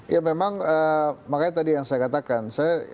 ya memang makanya tadi yang saya katakan